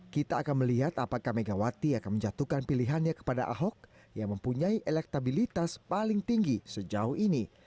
kita akan melihat apakah megawati akan menjatuhkan pilihannya kepada ahok yang mempunyai elektabilitas paling tinggi sejauh ini